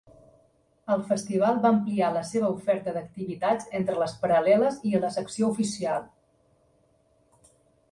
El Festival va ampliar la seva oferta d'activitats, entre les paral·leles i la secció oficial.